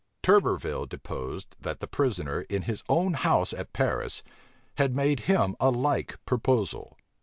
Turberville deposed, that the prisoner, in his own house at Paris, had made him a like proposal.